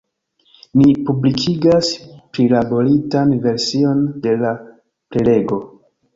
Ni publikigas prilaboritan version de la prelego.